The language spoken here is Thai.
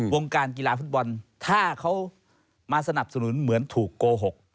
วงการกีฬาฟุตบอลถ้าเขามาสนับสนุนเหมือนถูกโกหก